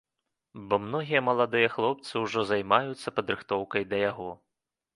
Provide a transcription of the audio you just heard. Бо многія маладыя хлопцы ўжо займаюцца падрыхтоўкай да яго.